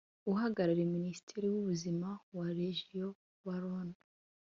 uhagarariye Minisitiri w’ubuzima wa Région Wallonne